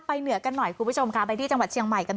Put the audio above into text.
ไปเหนือกันหน่อยคุณผู้ผู้ชมคะไปที่จังหวัดเชียงมัยกัน